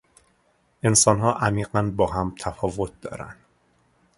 انسانها عمیقا با هم تفاوت دارند.